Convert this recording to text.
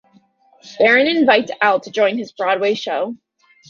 Baron invites Al to join his Broadway show.